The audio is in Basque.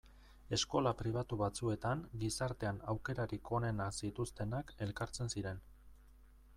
Eskola pribatu batzuetan gizartean aukerarik onenak zituztenak elkartzen ziren.